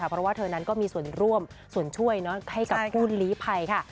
เพราะว่าเธอนั้นก็มีส่วนร่วมส่วนช่วยให้กับผู้ลีภัยค่ะ